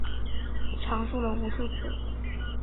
尝试了无数次